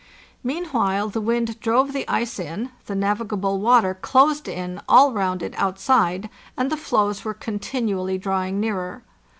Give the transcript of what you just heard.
Meanwhile, the wind drove the ice in, the navigable water closed in al] round it outside, and the floes were continually drawing nearer.